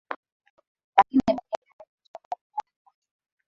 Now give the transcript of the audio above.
Lakini maneno yaliyotoka vinywani mwetu.